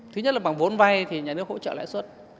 thứ nhất là bằng vốn vay thì nhà nước hỗ trợ lãi suất